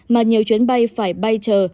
mà nhiều chuyến bay phải bay chờ